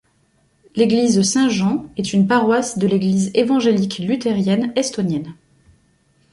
L'église Saint-Jean est une paroisse de l'Église évangélique-luthérienne estonienne.